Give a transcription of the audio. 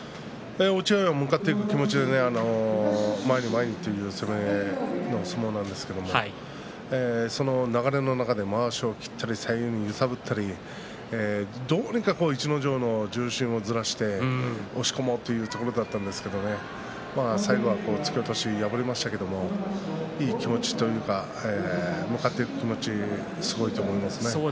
落合が向かっていく気持ちで、前に前にという攻め相撲なんですがその流れの中でまわしを切ったり左右に揺さぶったりどうにか逸ノ城の重心をずらして押し込もうというところだったんですが最後は突き落としに敗れましたがいい気持ちというか向かっていく気持ちすごいと思いますね。